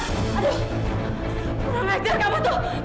kurang ngajar kamu tuh